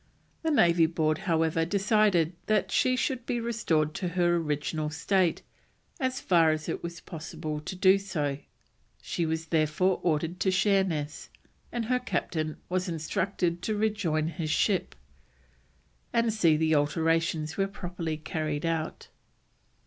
The Navy Board, however, decided that she should be restored to her original state as far as it was possible to do so; she was therefore ordered to Sheerness, and her Captain was instructed to join his ship and see the alterations were properly carried out.